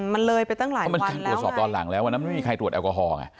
มันเลยไปตั้งหลายวันตัวล่างวันนี้มีใครเป็นตรวจแอลกอโฮ